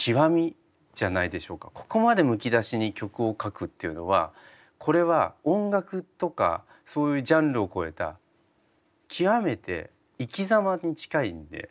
ここまでむき出しに曲を書くっていうのはこれは音楽とかそういうジャンルを超えた極めて生きざまに近いんでただ生きざまに共感している。